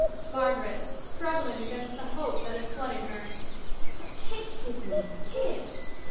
MARGARET [Struggling against the hope that is Hooding herJ] But Kit, Sydney — Kit?